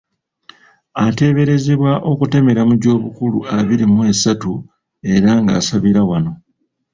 Ateeberezebwa okutemera mu gy'obukulu abiri mu esatu era ng'asabira wano.